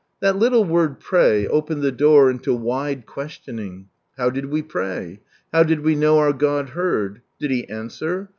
That little word "pray" opened the door into wide questioning. How did we pray? How did we know our God heard? Did He answer?